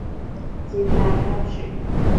Зегьы аахьаԥшит.